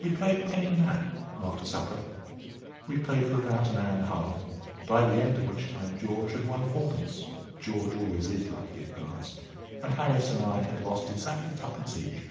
We played penny nap after supper. We played for about an hour and a half, by the end of which time George had won fourpence—George always is lucky at cards—and Harris and I had lost exactly twopence each.